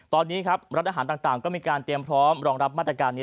ตอนนี้ครับรัฐอาหารต่างก็มีการเตรียมพร้อมรองรับมาตรการนี้